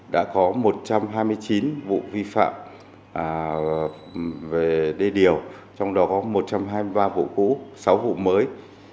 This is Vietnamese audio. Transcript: đã có một trăm hai mươi chín vụ vi phạm về đê điều trong đó có một trăm hai mươi ba vụ cũ sáu vụ mới